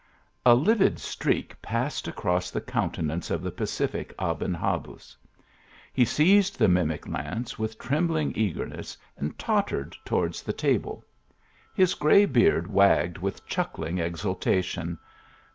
A livid streak passed across the countenance of the pacific Aben Habuz ; he seized the mimic lance with trembling eagerness, and tottered towards the table ; his gray beard wagged with chuckling exul tation.